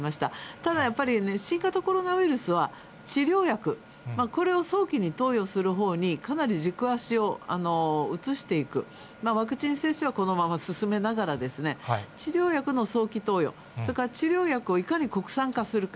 ただやっぱり、新型コロナウイルスは治療薬、これを早期に投与するほうにかなり軸足を移していく、ワクチン接種はこのまま進めながら、治療薬の早期投与、それから治療薬をいかに国産化するか。